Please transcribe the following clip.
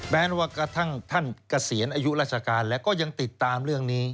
แม้ว่ากระทั่งท่านเกษียณอายุราชการแล้วก็ยังติดตามเรื่องนี้